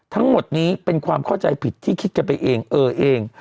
ทั้งหมดนี้เป็นความเข้าใจผิดที่คิดกันไปเองเออเอง